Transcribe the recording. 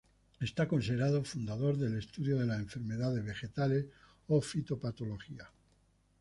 Es considerado fundador del estudio de las enfermedades vegetales o fitopatología.